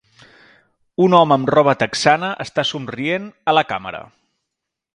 Un home amb roba texana està somrient a la càmera.